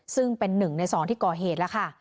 ซึ่งเป็น๑ใน๒ที่ก่อเหตุแล้วค่ะ